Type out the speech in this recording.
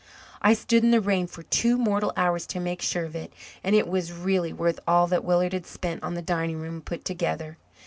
I stood in the rain for two mortal hours to make sure of it, and it was really worth all that Willard has spent on the dining room put together.